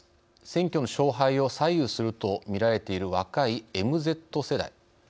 選挙の勝敗を左右するとみられている若い「ＭＺ世代」